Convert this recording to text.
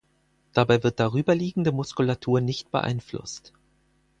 Dabei wird darüber liegende Muskulatur nicht beeinflusst.